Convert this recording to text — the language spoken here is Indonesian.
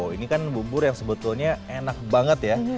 ini kan bubur yang sebetulnya enak banget ya